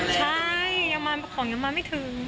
ใช่ของยังมาไม่ถึง